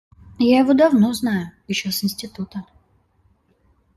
Я его давно знаю, еще с института.